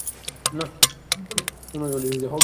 দরোয়ান কহিল, আমাদের বলিয়া যান নাই, আমরা কিছুই জানি না।